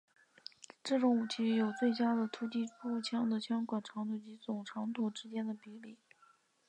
这种武器有最佳的突击步枪的枪管长度及总长度之间的比例。